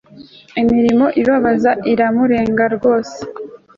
imirimo ibabaza iramurenga rwose